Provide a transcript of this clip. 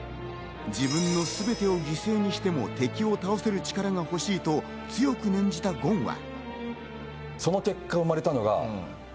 自分のすべてを犠牲にしても敵を倒せる力がほしいと強く念じたゴンは。